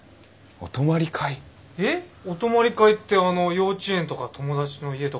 えっお泊まり会ってあの幼稚園とか友達の家とかに泊まるやつ？